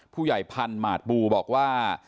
ผู้ใหญ่พันธุ์หมาดบูบอกว่า